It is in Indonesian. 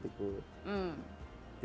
tidak muncul sama sekali